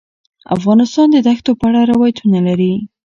افغانستان د دښتو په اړه روایتونه لري.